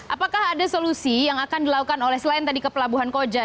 apakah ada solusi yang akan dilakukan oleh selain tadi ke pelabuhan koja